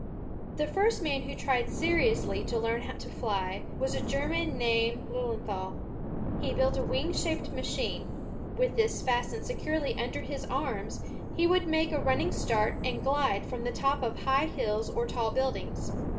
The first man who tried seriously to learn how to fly was a German named Lilienthal. He built a wing shaped machine. With this fastened securely under his arms, he would make a running start and glide from the top of high hills or tall buildings.